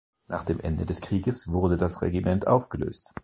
Nach dem Ende des Krieges wurde das Regiment aufgelöst.